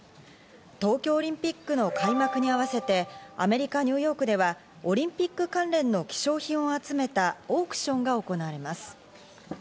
東京オリンピックの開幕に合わせてアメリカ・ニューヨークではオリンピック関連の希少品を集めたオークションが行われます。